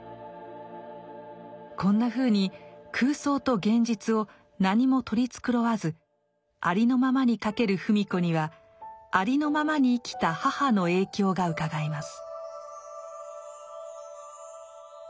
こんなふうに空想と現実を何も取り繕わずありのままに書ける芙美子にはありのままに生きた母の影響がうかがえます。